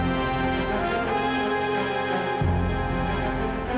kalau betul niel tadi republic banned bye